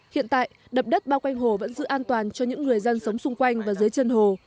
hiện tại đập đất bao quanh hồ vẫn giữ an toàn cho những người dân sống xung quanh và dưới chân hồ